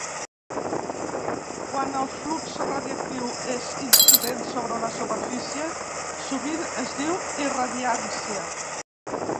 Quan el flux radiatiu és incident sobre una superfície, sovint es diu irradiància.